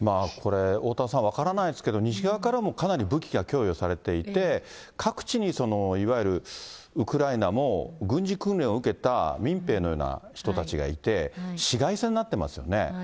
これ、おおたわさん、分からないですけど、西側からもかなり武器が供与されていて、各地にいわゆるウクライナも軍事訓練を受けた民兵のような人たちがいて、市街戦になってますよね。